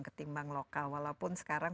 ketimbang lokal walaupun sekarang